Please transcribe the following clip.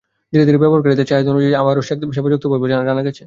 ধীরে ধীরে ব্যবহারকারীদের চাহিদা অনুযায়ী আরও সেবা যুক্ত হবে বলেও জানা গেছে।